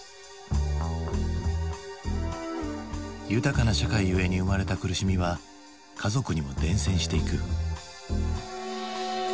豊かな社会ゆえに生まれた苦しみは家族にも伝染していく。